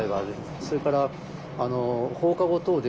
それから放課後等